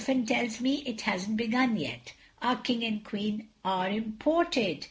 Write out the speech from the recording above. Ulfin tells me it hasn't begun yet. Our King and Queen are imported.